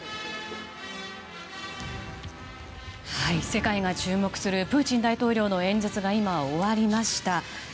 世界が注目するプーチン大統領の演説が今、終わりました。